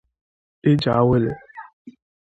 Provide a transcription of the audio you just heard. ije awele.